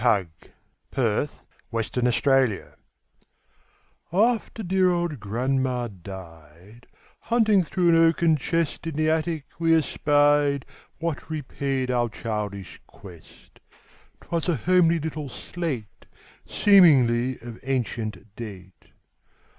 Eugene Field Little Homer's Slate AFTER dear old grandma died, Hunting through an oaken chest In the attic, we espied What repaid our childish quest; 'Twas a homely little slate, Seemingly of ancient date.